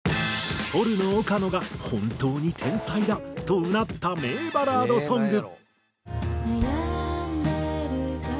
ポルノ岡野が「本当に天才だ！」とうなった名バラードソング。